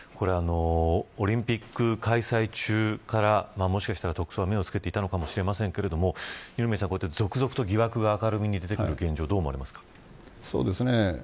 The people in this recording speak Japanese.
オリンピック開催中からもしかしたら特捜は目をつけていたのかもしませんが疑惑が明るみに出てくる現状どう思いますか。